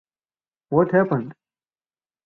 What happened?